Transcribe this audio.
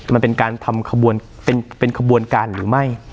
มันเป็นการทำขบวนการหรือไม่